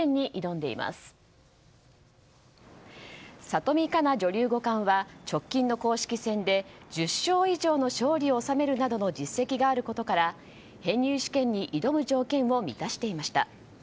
里見香奈女流五冠は直近の公式戦で１０勝以上の勝利を収めるなどの実績があることから編入試験に挑む条件を満たしていました。